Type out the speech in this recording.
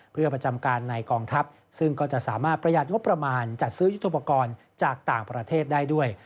เพื่อประจำการในกองทัพซึ่งก็จะสามารถประหยัดงบประมาณจัดซื้อยุทธุปกรณ์จากต่างประเทศได้ด้วย